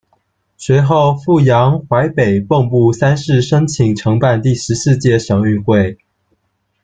随后，阜阳、淮北、蚌埠三市申请承办第十四届省运会。